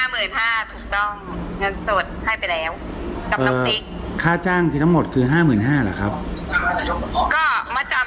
กำลังค่าจ้างที่ทั้งหมดคือห้าหมื่นห้าหรอครับก็มจัม